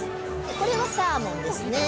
これはサーモンですね。